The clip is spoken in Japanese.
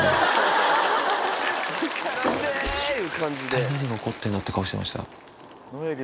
「一体何が起こってんだ」って顔してました。